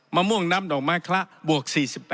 มะม่วงน้ำดอกไม้คละบวก๔๘